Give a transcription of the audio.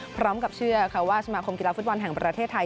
พร้อมกับเชื่อค่ะว่าสมาคมกีฬาฟุตบอลแห่งประเทศไทย